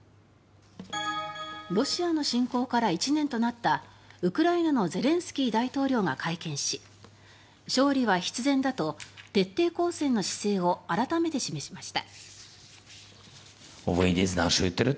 ロシアの侵攻から１年となったウクライナのゼレンスキー大統領が会見し勝利は必然だと徹底抗戦の姿勢を改めて示しました。